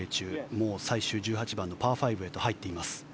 もう最終１８番のパー５へと入っています。